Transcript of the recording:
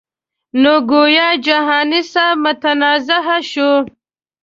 نو ګویا جهاني صاحب متنازعه شو.